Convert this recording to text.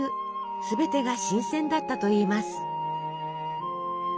すべてが新鮮だったといいます。